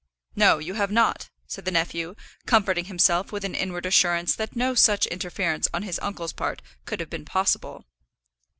"No; you have not," said the nephew, comforting himself with an inward assurance that no such interference on his uncle's part could have been possible.